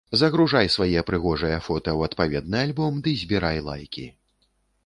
Загружай свае прыгожыя фота ў адпаведны альбом ды збірай лайкі.